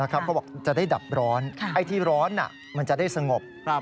เขาบอกจะได้ดับร้อนไอ้ที่ร้อนมันจะได้สงบ